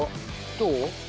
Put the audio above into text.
どう？